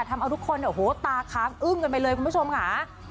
ทำเอาทุกคนเนี่ยโอ้โหตาค้างอึ้งกันไปเลยคุณผู้ชมค่ะ